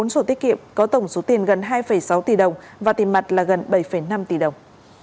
bốn sổ tiết kiệm có tổng số tiền gần hai sáu tỷ đồng và tiền mặt là gần bảy năm tỷ đồng